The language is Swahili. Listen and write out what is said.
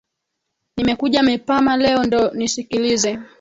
Nimekuja mepama leo ndo nisikilize